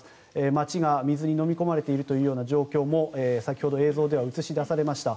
街が水にのみ込まれているという状況も先ほど映像では映し出されました。